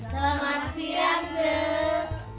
selamat siang cik